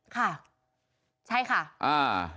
ค่ะใช่ค่ะอ่า